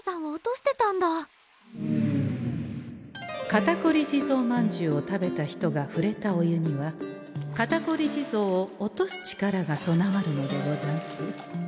「肩こり地蔵まんじゅう」を食べた人がふれたお湯には肩こり地蔵を落とす力が備わるのでござんす。